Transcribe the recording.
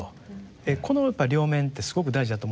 このやっぱり両面ってすごく大事だと思うんですよ。